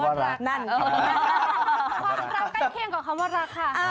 ความรักใกล้เคียงกับคำว่ารักค่ะ